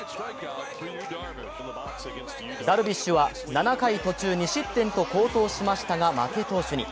ダルビッシュは７回途中２失点と好投しましたが負け投手に。